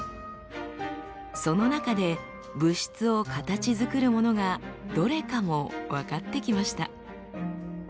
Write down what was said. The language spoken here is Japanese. その中で物質を形づくるものがどれかも分かってきました。